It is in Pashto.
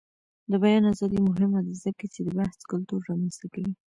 د بیان ازادي مهمه ده ځکه چې د بحث کلتور رامنځته کوي.